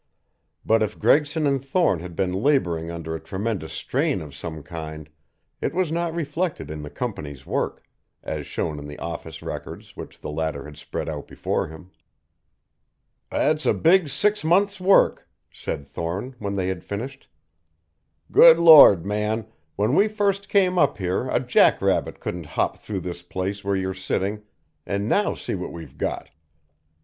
But if Gregson and Thorne had been laboring under a tremendous strain of some kind it was not reflected in the company's work, as shown in the office records which the latter had spread out before him. "That's a big six months' work," said Thorne when they had finished. "Good Lord, man, when we first came up here a jack rabbit couldn't hop through this place where you're sitting, and now see what we've got!